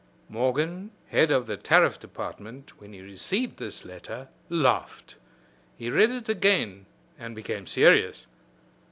Morgan, head of the Tariff Department, when he received this letter, laughed. He read it again and became serious.